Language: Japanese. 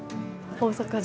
大阪城。